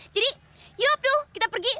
jadi yuk abdul kita pergi